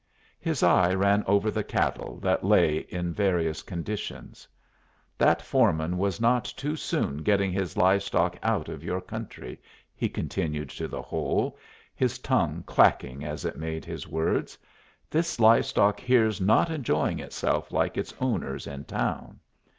His eye ran over the cattle, that lay in various conditions. "That foreman was not too soon getting his live stock out of your country," he continued to the hole, his tongue clacking as it made his words. "This live stock here's not enjoying itself like its owners in town.